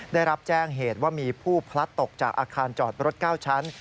ได้รับแจ้งเหตุว่ามีผู้พลัดตกจากอาคารจอดรถ๙ชั้น